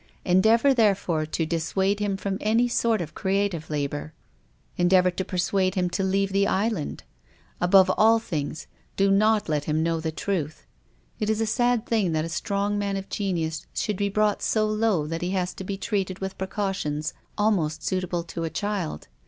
Endeavour, therefore, to dissuade him from any sort of crea tive labor. Endeavour to persuade him to leave the island. Above all things, do not let him know the truth. It is a sad thing that a strong man of genius should be brought so low that he has to be treated witii precautions almost suitable to a child.